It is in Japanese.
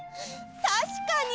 たしかに！